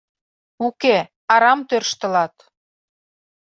Уке, арам тӧрштылат!